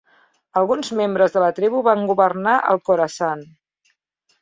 Alguns membres de la tribu van governar el Khorasan.